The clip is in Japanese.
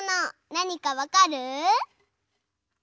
なにかわかる？